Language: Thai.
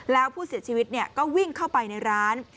แล้วผู้เสียชีวิตก็วิ่งเข้าไปในร้าน